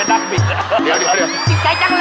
เอาออกมาเอาออกมาเอาออกมา